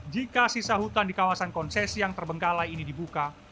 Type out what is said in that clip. jika sisa hutan di kawasan konsesi yang terbengkalai ini dibuka